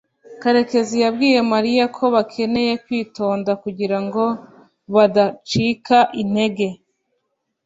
karekezi yabwiye mariya ko bakeneye kwitonda kugirango badacika intege